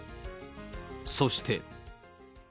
そして。